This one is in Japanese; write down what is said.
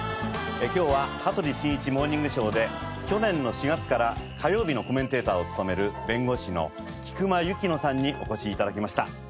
今日は『羽鳥慎一モーニングショー』で去年の４月から火曜日のコメンテーターを務める弁護士の菊間千乃さんにお越し頂きました。